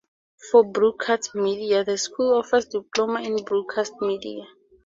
For broadcast media, the School offers a Diploma in Broadcast Media.